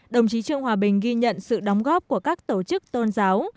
đồng chí trương hòa bình ghi nhận sự đóng góp của các tổ chức tôn giáo